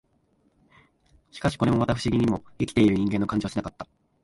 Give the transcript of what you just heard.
しかし、これもまた、不思議にも、生きている人間の感じはしなかった